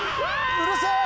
うるせえ。